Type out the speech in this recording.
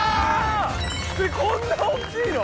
こんな大っきいの⁉